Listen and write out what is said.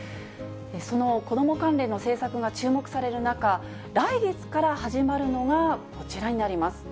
その子ども関連の政策が注目される中、来月から始まるのが、こちらになります。